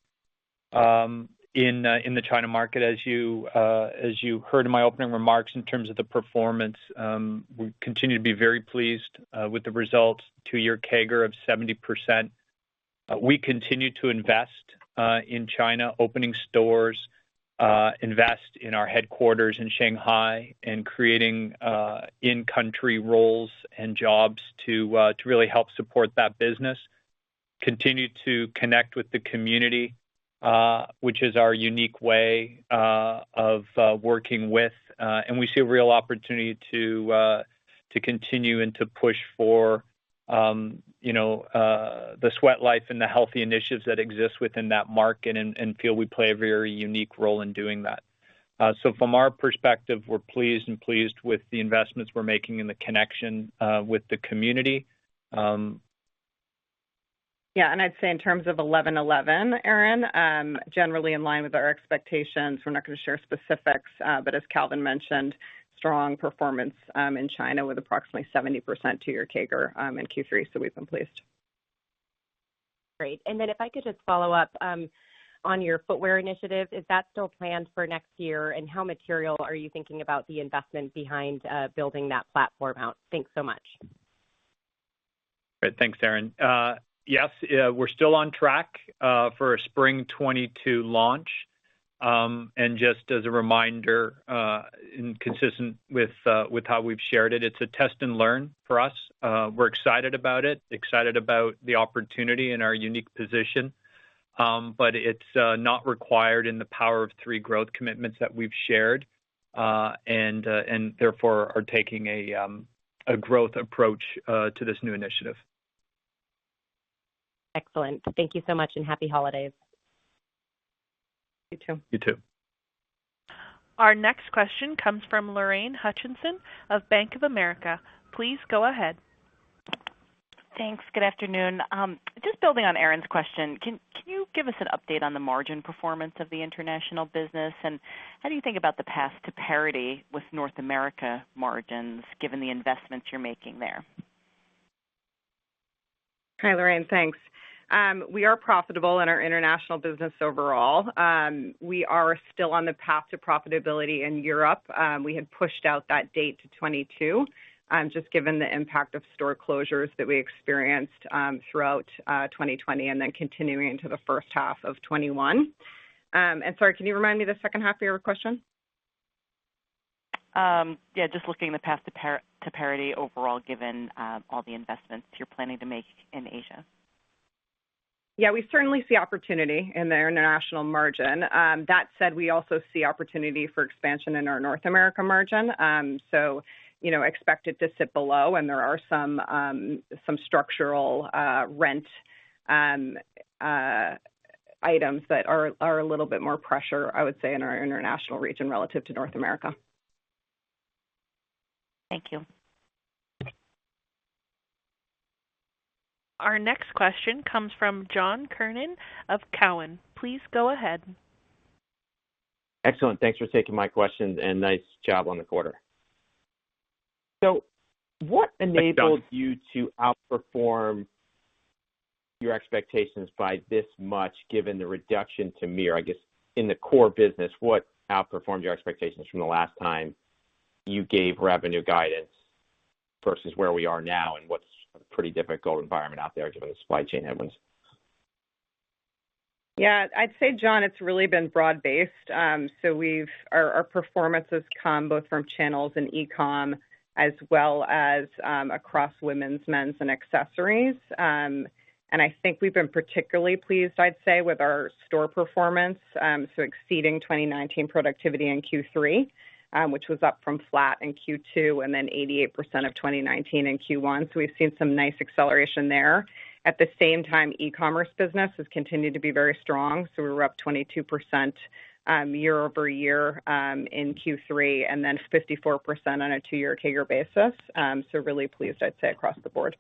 in the China market. As you heard in my opening remarks in terms of the performance, we continue to be very pleased with the results, two-year CAGR of 70%. We continue to invest in China, opening stores, invest in our headquarters in Shanghai and creating in-country roles and jobs to really help support that business. Continue to connect with the community, which is our unique way of working with, and we see a real opportunity to continue and to push for, you know, the sweat life and the healthy initiatives that exist within that market and feel we play a very unique role in doing that. From our perspective, we're pleased with the investments we're making and the connection with the community. Yeah, I'd say in terms of 11.11, Erinn, generally in line with our expectations. We're not gonna share specifics, but as Calvin mentioned, strong performance in China with approximately 70% two-year CAGR in Q3, so we've been pleased. Great. If I could just follow up on your footwear initiative. Is that still planned for next year? How material are you thinking about the investment behind building that platform out? Thanks so much. Great. Thanks, Erinn. Yes, we're still on track for a spring 2022 launch. Just as a reminder, and consistent with how we've shared it's a test and learn for us. We're excited about it, excited about the opportunity and our unique position. It's not required in the Power of Three growth commitments that we've shared. Therefore we are taking a growth approach to this new initiative. Excellent. Thank you so much, and happy holidays. You too. You too. Our next question comes from Lorraine Hutchinson of Bank of America. Please go ahead. Thanks. Good afternoon. Just building on Erinn's question, can you give us an update on the margin performance of the international business? How do you think about the path to parity with North America margins, given the investments you're making there? Hi, Lorraine. Thanks. We are profitable in our international business overall. We are still on the path to profitability in Europe. We had pushed out that date to 2022, just given the impact of store closures that we experienced throughout 2020 and then continuing into the first half of 2021. Sorry, can you remind me of the second half of your question? Yeah, just looking in the path to parity overall, given all the investments you're planning to make in Asia. Yeah, we certainly see opportunity in the international margin. That said, we also see opportunity for expansion in our North America margin. You know, expect it to sit below, and there are some structural rent items that are a little bit more pressure, I would say, in our international region relative to North America. Thank you. Our next question comes from John Kernan of Cowen. Please go ahead. Excellent. Thanks for taking my question, and nice job on the quarter. What enabled you to outperform your expectations by this much, given the reduction to Mirror? I guess in the core business, what outperformed your expectations from the last time you gave revenue guidance versus where we are now in what's a pretty difficult environment out there given the supply chain headwinds? Yeah. I'd say, John, it's really been broad-based. Our performance has come both from channels and e-com as well as across women's, men's and accessories. I think we've been particularly pleased, I'd say, with our store performance, exceeding 2019 productivity in Q3, which was up from flat in Q2 and then 88% of 2019 in Q1. We've seen some nice acceleration there. At the same time, e-commerce business has continued to be very strong, we're up 22% year-over-year in Q3, and then 54% on a two-year stacked basis. Really pleased, I'd say, across the board.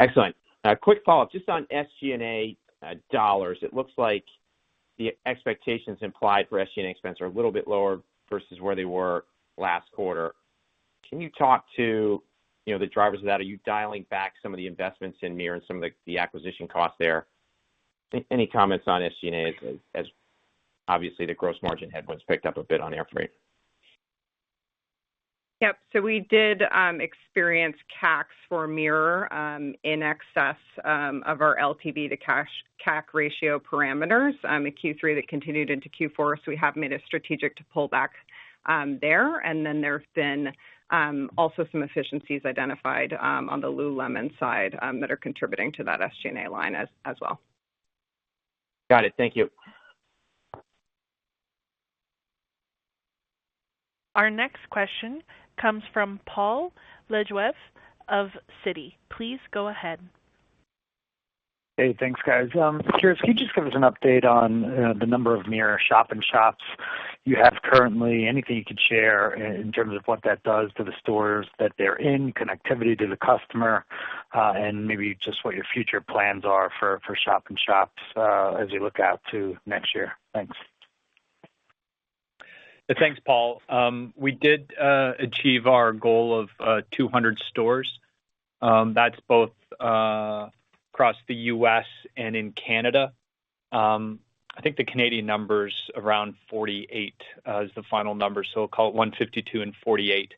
Excellent. A quick follow-up just on SG&A dollars. It looks like the expectations implied for SG&A expense are a little bit lower versus where they were last quarter. Can you talk to, you know, the drivers of that? Are you dialing back some of the investments in Mirror and some of the acquisition costs there? Any comments on SG&A as obviously the gross margin headwinds picked up a bit on air freight. Yep. We did experience CACs for Mirror in excess of our LTV to CAC ratio parameters in Q3 that continued into Q4. We have made a strategic decision to pull back there. There have been also some efficiencies identified on the lululemon side that are contributing to that SG&A line as well. Got it. Thank you. Our next question comes from Paul Lejuez of Citi. Please go ahead. Hey, thanks, guys. Curious, can you just give us an update on the number of Mirror shop in shops you have currently? Anything you could share in terms of what that does to the stores that they're in, connectivity to the customer, and maybe just what your future plans are for shop in shops as you look out to next year. Thanks. Thanks, Paul. We did achieve our goal of 200 stores. That's both across the U.S. and in Canada. I think the Canadian number's around 48 is the final number, so call it 152 and 48.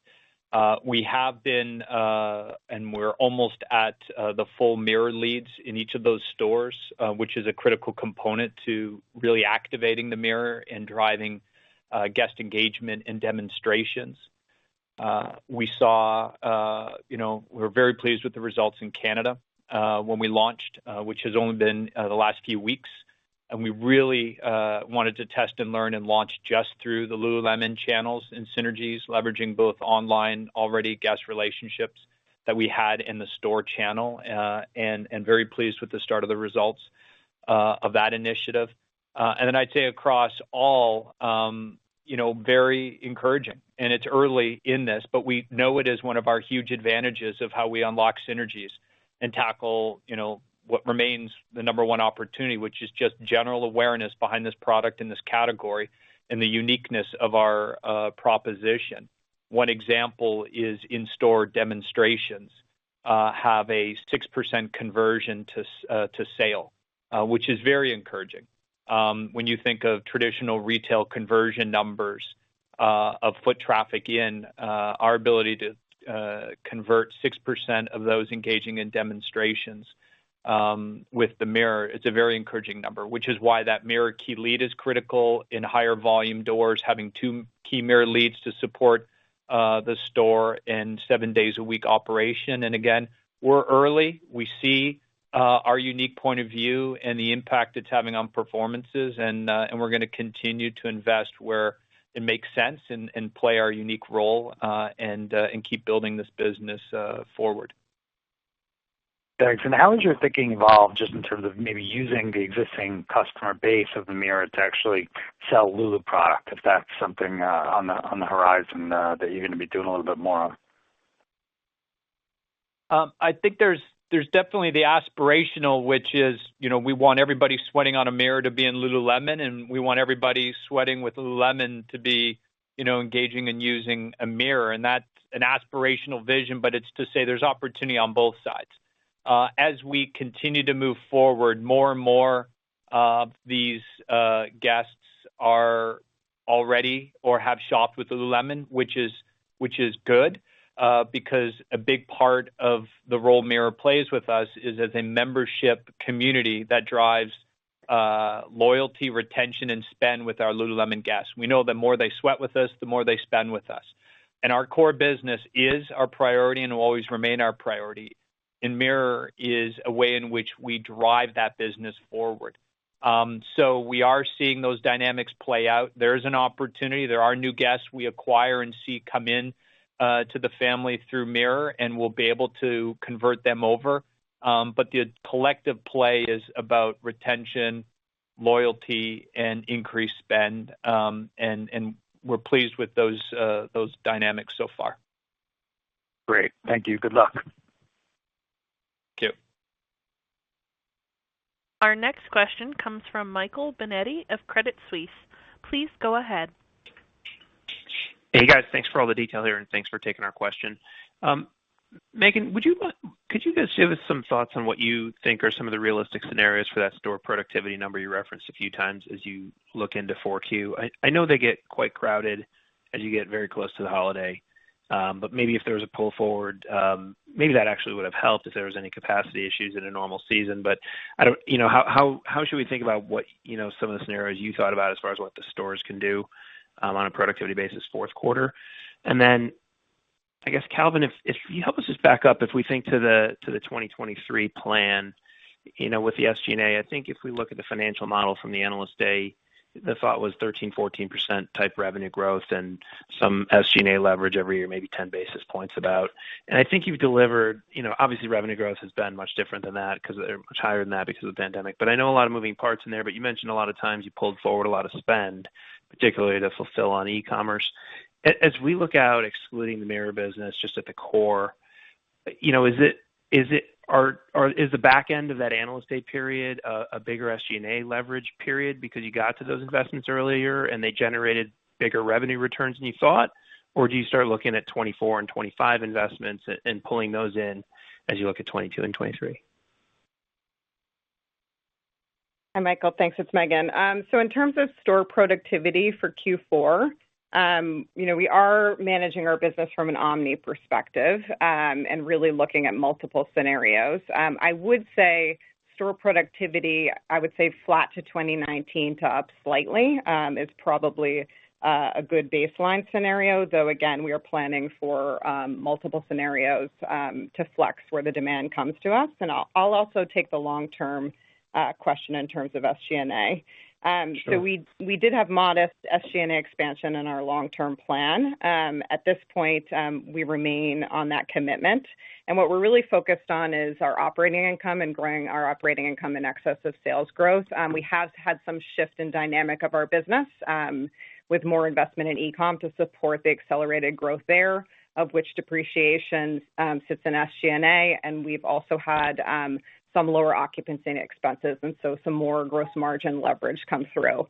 We have been and we're almost at the full Mirror leads in each of those stores, which is a critical component to really activating the Mirror and driving guest engagement and demonstrations. We saw, you know, we're very pleased with the results in Canada when we launched, which has only been the last few weeks. We really wanted to test and learn and launch just through the lululemon channels and synergies, leveraging both online already guest relationships that we had in the store channel, and very pleased with the start of the results of that initiative. I'd say across all, you know, very encouraging. It's early in this, but we know it is one of our huge advantages of how we unlock synergies and tackle, you know, what remains the number one opportunity, which is just general awareness behind this product and this category and the uniqueness of our proposition. One example is in-store demonstrations have a 6% conversion to sale, which is very encouraging. When you think of traditional retail conversion numbers of foot traffic in our ability to convert 6% of those engaging in demonstrations with the Mirror, it's a very encouraging number, which is why that Mirror key lead is critical in higher volume doors, having two key Mirror leads to support the store and seven days a week operation. Again, we're early. We see our unique point of view and the impact it's having on performances, and we're gonna continue to invest where it makes sense and play our unique role and keep building this business forward. Thanks. How has your thinking evolved just in terms of maybe using the existing customer base of the Mirror to actually sell Lulu product, if that's something on the horizon that you're gonna be doing a little bit more of? I think there's definitely the aspirational, which is, you know, we want everybody sweating on a Mirror to be in lululemon, and we want everybody sweating with lululemon to be, you know, engaging and using a Mirror. That's an aspirational vision, but it's to say there's opportunity on both sides. As we continue to move forward, more and more, these guests are already or have shopped with lululemon, which is good, because a big part of the role Mirror plays with us is as a membership community that drives loyalty, retention, and spend with our lululemon guests. We know the more they sweat with us, the more they spend with us. Our core business is our priority and will always remain our priority. Mirror is a way in which we drive that business forward. We are seeing those dynamics play out. There is an opportunity. There are new guests we acquire and see come in to the family through Mirror, and we'll be able to convert them over. The collective play is about retention, loyalty, and increased spend. We're pleased with those dynamics so far. Great. Thank you. Good luck. Thank you. Our next question comes from Michael Binetti of Credit Suisse. Please go ahead. Hey, guys. Thanks for all the detail here, and thanks for taking our question. Meghan, could you guys share with us some thoughts on what you think are some of the realistic scenarios for that store productivity number you referenced a few times as you look into Q4? I know they get quite crowded as you get very close to the holiday, but maybe if there was a pull forward, maybe that actually would have helped if there was any capacity issues in a normal season. You know, how should we think about what, you know, some of the scenarios you thought about as far as what the stores can do on a productivity basis Q4? Then I guess, Calvin, if you help us just back up, if we think to the 2023 plan, you know, with the SG&A, I think if we look at the financial model from the Analyst Day, the thought was 13-14% type revenue growth and some SG&A leverage every year, maybe 10 basis points about. I think you've delivered, you know, obviously revenue growth has been much different than that because they're much higher than that because of the pandemic. I know a lot of moving parts in there, but you mentioned a lot of times you pulled forward a lot of spend, particularly to fulfill on e-commerce. As we look out, excluding the Mirror business, just at the core, you know, is it? Are? Is the back end of that Analyst Day period a bigger SG&A leverage period because you got to those investments earlier and they generated bigger revenue returns than you thought? Or do you start looking at 2024 and 2025 investments and pulling those in as you look at 2022 and 2023? Hi, Michael. Thanks. It's Meghan. In terms of store productivity for Q4, you know, we are managing our business from an omni perspective, and really looking at multiple scenarios. I would say store productivity flat to 2019 to up slightly is probably a good baseline scenario, though again, we are planning for multiple scenarios to flex where the demand comes to us. I'll take the long-term question in terms of SG&A. We did have modest SG&A expansion in our long-term plan. At this point, we remain on that commitment. What we're really focused on is our operating income and growing our operating income in excess of sales growth. We have had some shift in dynamic of our business with more investment in e-com to support the accelerated growth there, of which depreciation sits in SG&A, and we've also had some lower occupancy and expenses, and so some more gross margin leverage come through.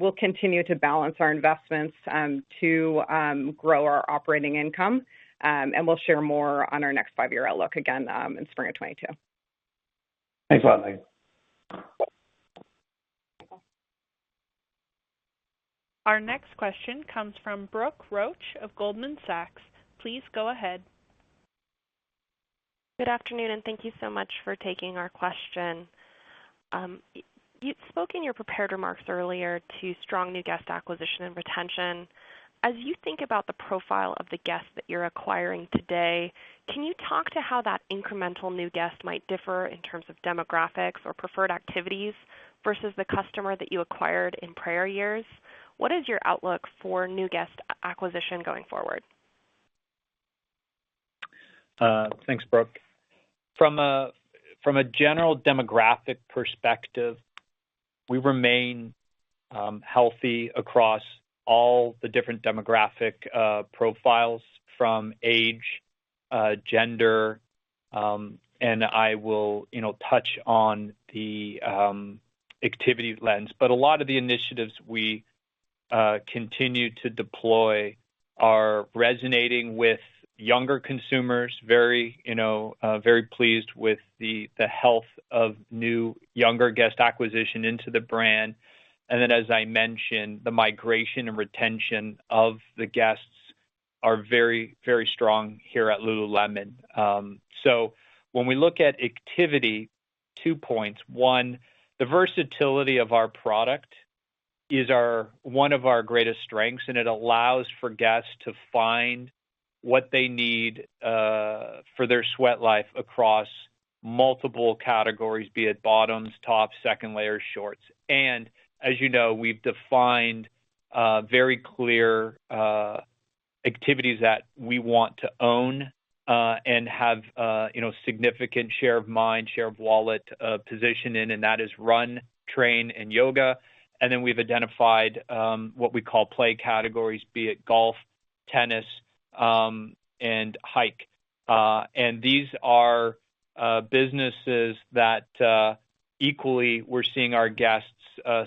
We'll continue to balance our investments to grow our operating income, and we'll share more on our next five-year outlook again in spring of 2022. Thanks a lot, Meghan. Our next question comes from Brooke Roach of Goldman Sachs. Please go ahead. Good afternoon, and thank you so much for taking our question. You'd spoke in your prepared remarks earlier to strong new guest acquisition and retention. As you think about the profile of the guest that you're acquiring today, can you talk about how that incremental new guest might differ in terms of demographics or preferred activities versus the customer that you acquired in prior years? What is your outlook for new guest acquisition going forward? Thanks, Brooke. From a general demographic perspective, we remain healthy across all the different demographic profiles from age, gender, and I will touch on the activity lens. A lot of the initiatives we continue to deploy are resonating with younger consumers, very pleased with the health of new younger guest acquisition into the brand. Then as I mentioned, the migration and retention of the guests are very strong here at lululemon. When we look at activity, two points. One, the versatility of our product is one of our greatest strengths, and it allows for guests to find what they need for their sweat life across multiple categories, be it bottoms, tops, second layer shorts. As you know, we've defined a very clear activities that we want to own and have, you know, significant share of mind, share of wallet, position in, and that is run, train, and yoga. We've identified what we call play categories, be it golf, tennis, and hike. These are businesses that equally we're seeing our guests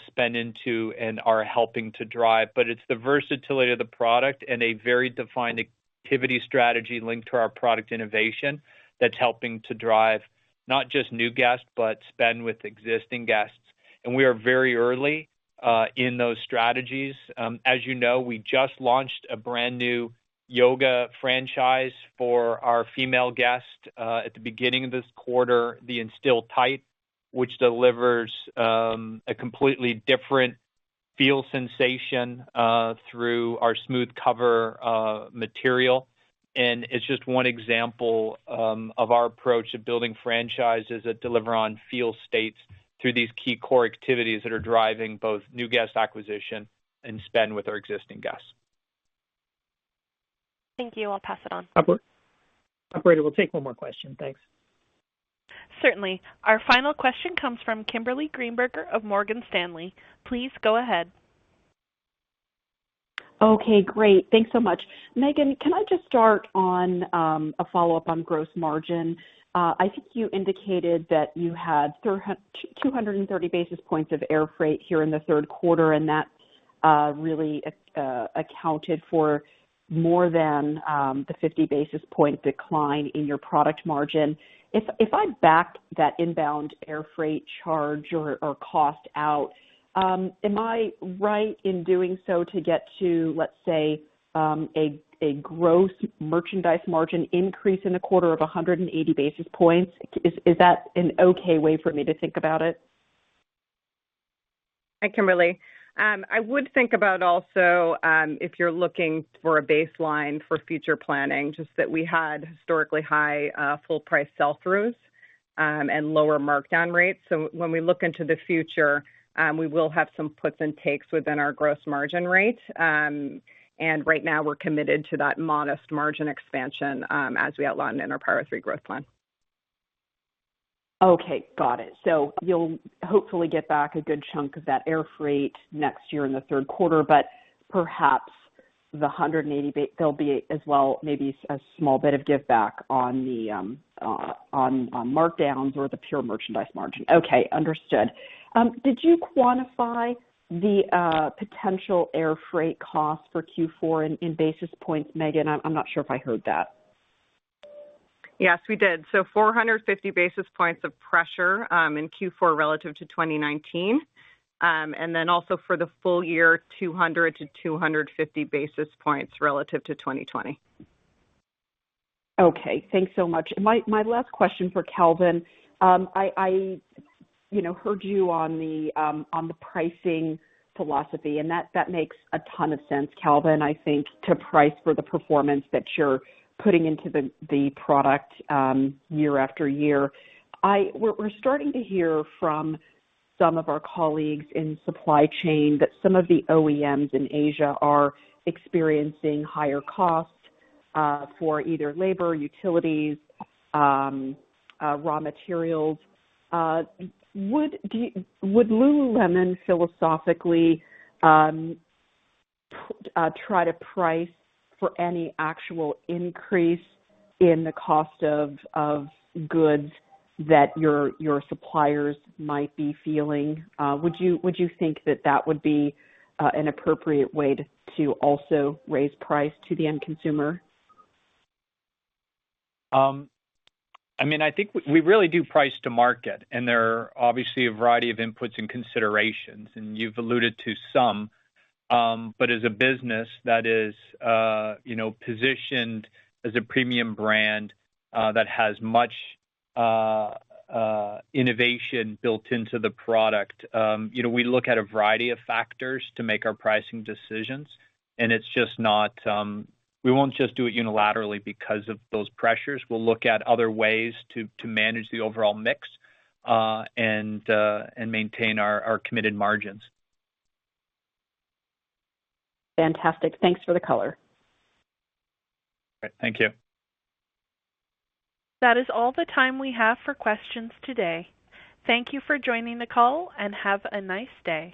spend into and are helping to drive. It's the versatility of the product and a very defined activity strategy linked to our product innovation that's helping to drive not just new guests, but spend with existing guests. We are very early in those strategies. As you know, we just launched a brand new yoga franchise for our female guests at the beginning of this quarter, the Instill Tight, which delivers a completely different feel sensation through our SmoothCover material. It's just one example of our approach to building franchises that deliver on feel states through these key core activities that are driving both new guest acquisition and spend with our existing guests. Thank you. I'll pass it on. Operator, we'll take one more question. Thanks. Certainly. Our final question comes from Kimberly Greenberger of Morgan Stanley. Please go ahead. Okay, great. Thanks so much. Meghan, can I just start on a follow-up on gross margin? I think you indicated that you had 230 basis points of air freight here in the Q3, and that really accounted for more than the 50 basis point decline in your product margin. If I back that inbound air freight charge or cost out, am I right in doing so to get to, let's say, a gross merchandise margin increase in a quarter of 180 basis points? Is that an okay way for me to think about it? Hi, Kimberly. I would think about also, if you're looking for a baseline for future planning, just that we had historically high, full price sell-throughs, and lower markdown rates. When we look into the future, we will have some puts and takes within our gross margin rate. Right now we're committed to that modest margin expansion, as we outlined in our Power of Three growth plan. Okay, got it. You'll hopefully get back a good chunk of that air freight next year in the Q3, but perhaps the 180 there'll be as well maybe a small bit of give back on the on markdowns or the pure merchandise margin. Okay, understood. Did you quantify the potential air freight cost for Q4 in basis points, Meghan? I'm not sure if I heard that. Yes, we did. 450 basis points of pressure in Q4 relative to 2019. For the full year, 200-250 basis points relative to 2020. Okay, thanks so much. My last question for Calvin. I, you know, heard you on the pricing philosophy, and that makes a ton of sense, Calvin. I think to price for the performance that you're putting into the product year after year. We're starting to hear from some of our colleagues in supply chain that some of the OEMs in Asia are experiencing higher costs for either labor, utilities, raw materials. Would lululemon philosophically try to price for any actual increase in the cost of goods that your suppliers might be feeling? Would you think that would be an appropriate way to also raise price to the end consumer? I mean, I think we really do price to market, and there are obviously a variety of inputs and considerations, and you've alluded to some. As a business that is, you know, positioned as a premium brand, that has much innovation built into the product, you know, we look at a variety of factors to make our pricing decisions, and it's just not. We won't just do it unilaterally because of those pressures. We'll look at other ways to manage the overall mix, and maintain our committed margins. Fantastic. Thanks for the color. All right. Thank you. That is all the time we have for questions today. Thank you for joining the call, and have a nice day.